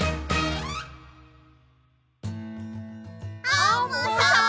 アンモさん！